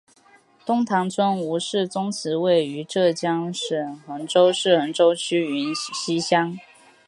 车塘村吴氏宗祠位于浙江省衢州市衢江区云溪乡。